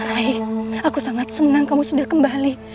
raih aku sangat senang kamu sudah kembali